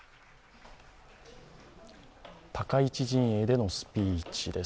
高市陣営でのスピーチです。